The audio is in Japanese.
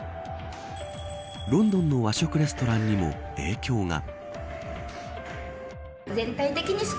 ロンドンの和食レストランにも影響が。